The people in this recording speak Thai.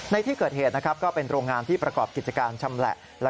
ในที่เกิดเหตุนะครับก็เป็นโรงงานที่ประกอบกิจการชำแหละ